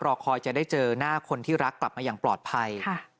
รอคอยจะได้เจอหน้าคนที่รักกลับมาอย่างปลอดภัย